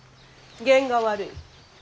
験が悪い。